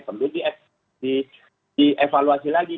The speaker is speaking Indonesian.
perlu dievaluasi lagi